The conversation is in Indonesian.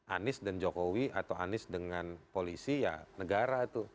anies dan jokowi atau anies dengan polisi ya negara itu